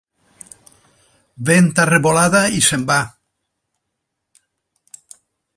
Venta revolada i se'n va.